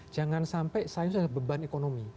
jangan sampai sains ada beban ekonomi